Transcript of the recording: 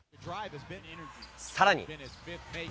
さらに。